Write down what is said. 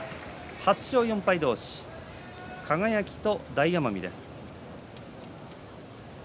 ８勝４敗同士、輝と大奄美です。